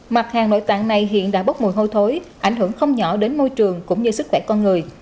mặt hàng nội tạng này hiện đã bốc mùi hôi thối ảnh hưởng không nhỏ đến môi trường cũng như sức khỏe con người